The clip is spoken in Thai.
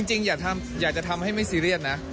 จริงอยากจะทำให้ไม่ซีเรียสนะ